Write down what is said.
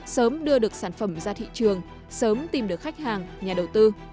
sớm đưa được sản phẩm ra thị trường sớm tìm được khách hàng nhà đầu tư